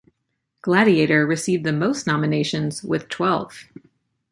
"Gladiator" received the most nominations with twelve.